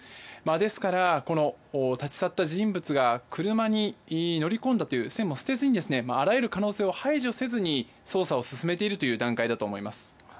ですから、立ち去った人物が車に乗り込んだという線も捨てずにあらゆる可能性を排除せずに捜査を進めている段階だと思います。